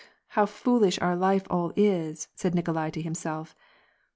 how foolish our life all is !" said Nikolai to himself.